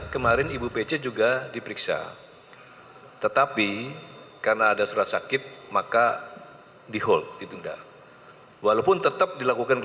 korupsi dengan dokter yang bersebutan nanti status akan ditetapkan berikutnya